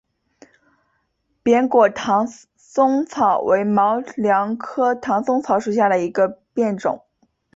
扁果唐松草为毛茛科唐松草属下的一个变种。